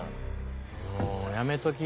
もうやめとき。